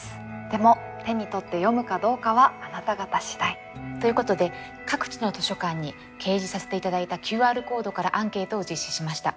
でも手に取って読むかどうかはあなた方次第。ということで各地の図書館に掲示させて頂いたＱＲコードからアンケートを実施しました。